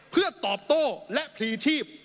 เพื่อตอบโต้และพลีชีพ